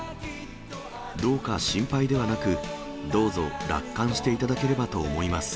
どうか心配ではなく、どうぞ楽観していただければと思います。